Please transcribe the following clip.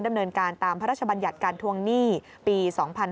ดำเนินการตามพระราชบัญญัติการทวงหนี้ปี๒๕๕๙